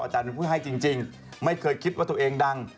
อาจารย์เป็นผู้ให้จริงไม่เคยคิดว่าตัวเองดัง